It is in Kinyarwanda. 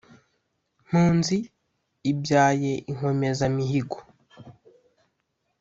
Mpunzi ibyaye inkomezamihigo